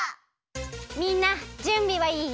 みんなじゅんびはいい？